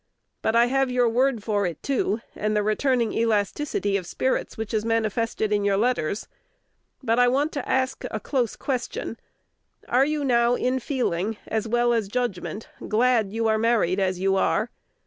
But I have your word for it, too, and the returning elasticity of spirits which is manifested in your letters. But I want to ask a close question, "Are you now in feeling, as well as judgment, glad you are married as you are?"